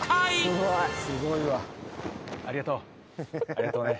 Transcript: ありがとうね。